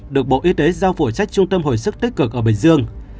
được bộ y tế giao phụ trách trung tâm hồi sức tích cực ở bình dương